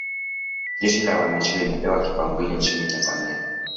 jeshi la wananchi limepewa kipaumbele nchi tanzania